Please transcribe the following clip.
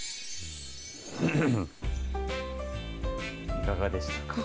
いかがでしたか。